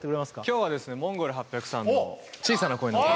今日はですねＭＯＮＧＯＬ８００さんの「小さな恋のうた」